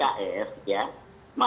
tidak masalah semua